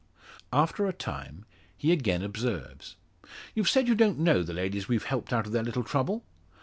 After a time, he again observes: "You've said you don't know the ladies we've helped out of their little trouble?"